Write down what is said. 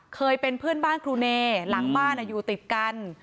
เคยเป็นเพื่อนบ้านครูเนหลังบ้านอยู่ติดกัน